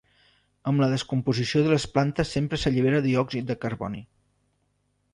Amb la descomposició de les plantes sempre s'allibera diòxid de carboni.